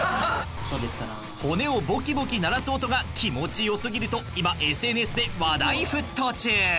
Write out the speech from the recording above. ［骨をボキボキ鳴らす音が気持ち良すぎると今ＳＮＳで話題沸騰中］